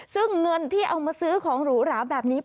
ซึ่งเงินที่เอามาซื้อของหรูหราแบบนี้